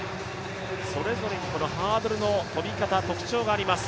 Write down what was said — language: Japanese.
それぞれにハードルの跳び方、特徴があります。